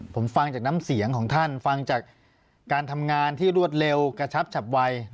ผมฟังจากน้ำเสียงของท่านฟังจากการทำงานที่รวดเร็วกระชับฉับไว